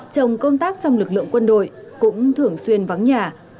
chồng công tác trong lực lượng quân đội cũng thường xuyên vắng nhà